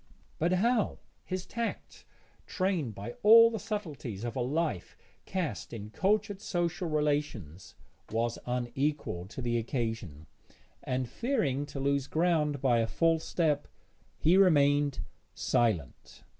But how? His tact, trained by all the subtleties of a life cast in cultured social relations, was unequal to the occasion, and, fearing to lose ground by a false step, he remained silent.